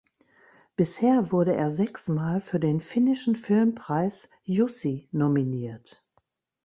Bisher wurde er sechs Mal für den finnischen Filmpreis Jussi nominiert.